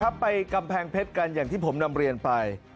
ไปกำแพงเพชรกันอย่างที่ผมนำเรียนไป